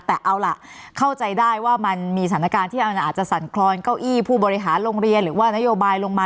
แต่เอาล่ะเข้าใจได้ว่ามันมีสถานการณ์ที่มันอาจจะสั่นคลอนเก้าอี้ผู้บริหารโรงเรียนหรือว่านโยบายลงมา